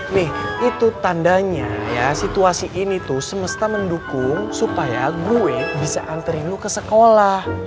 nih itu tandanya ya situasi ini tuh semesta mendukung supaya gue bisa antrimu ke sekolah